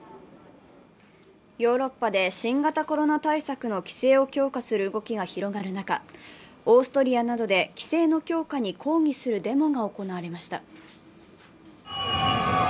ヨーロッパで新型コロナ対策の規制を強化する動きが広がる中、オーストリアなどで規制の強化に抗議するデモが行われました。